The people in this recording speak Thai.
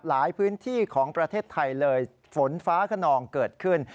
หลายพื้นที่ของประเทศไทยเลยฝนฟ้าขนองเกิดขึ้น